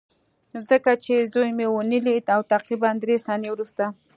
ځکه چې زوی مې ونه لید او تقریبا درې ثانیې وروسته